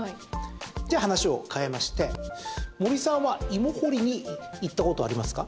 じゃあ、話を変えまして森さんは芋掘りに行ったことはありますか？